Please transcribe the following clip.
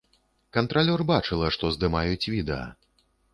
Кантралёр бачыла, што здымаюць відэа.